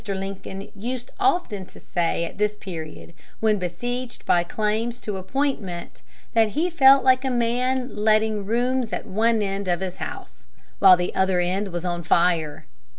Lincoln used often to say at this period, when besieged by claims to appointment, that he felt like a man letting rooms at one end of his house, while the other end was on fire.